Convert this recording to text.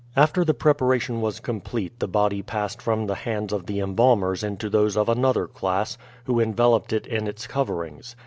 After the preparation was complete the body passed from the hands of the embalmers into those of another class, who enveloped it in its coverings.